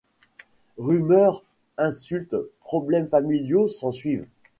Rumeurs, insultes, problèmes familiaux s'en suivent.